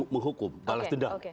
menghukum balas dendam